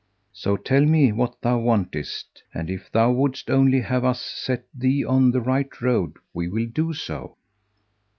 [FN#170] So tell me what thou wantest; and if thou wouldst only have us set thee on the right road, we will do so."